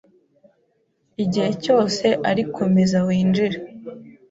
Igihe cyose ari komeza winjire